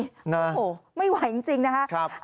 โอ้โหไม่ไหวจริงนะครับ